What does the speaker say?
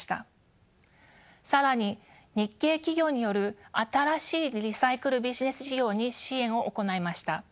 更に日系企業による新しいリサイクルビジネス事業に支援を行いました。